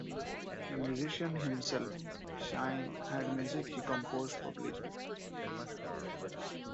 A musician himself, Schine had music he composed published.